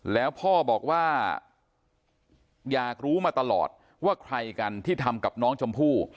แล้วพ่อบอกว่าอยากรู้มาตลอดว่าใครกันที่ทำกับน้องชมพู่